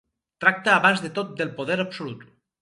Tracta abans de tot del poder absolut.